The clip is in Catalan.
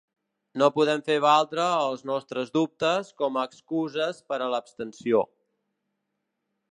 No podem fer valdre els nostres dubtes com a excuses per a l’abstenció.